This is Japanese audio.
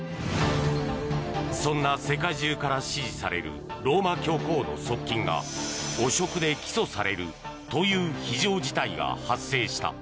そんな世界中から支持されるローマ教皇の側近が汚職で起訴されるという非常事態が発生した。